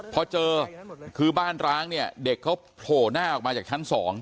พอเจอบ้านร้างเด็กพังหน้ากลับมาถึงชั้น๒